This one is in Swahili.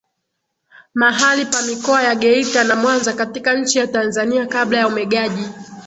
Mahali pa Mikoa ya Geita na Mwanza katika nchi ya Tanzania kabla ya umegaji